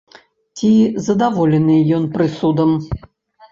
Ці задаволены ён прысудам?